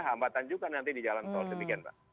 hambatan juga nanti di jalan tol